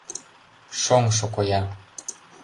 Шоҥшо коя.